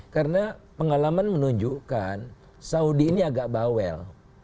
karena pengalaman menunjukkan saudi ini agak bawel